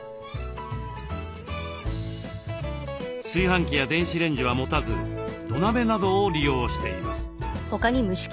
炊飯器や電子レンジは持たず土鍋などを利用しています。